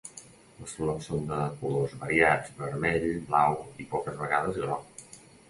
Les flors són de colors variats vermell, blau i poques vegades groc.